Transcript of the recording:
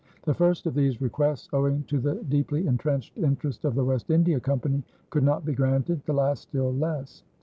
The first of these requests, owing to the deeply intrenched interest of the West India Company, could not be granted, the last still less.